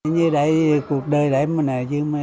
như vậy cuộc đời này chỉ là vất vả